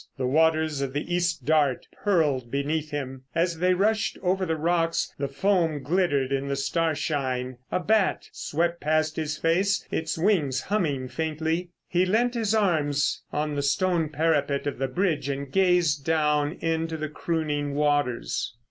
The waters of the East Dart purled beneath him. As they rushed over the rocks the foam glittered in the starshine. A bat swept past his face, its wings humming faintly. He leant his arms on the stone parapet of the bridge and gazed down into the crooning waters.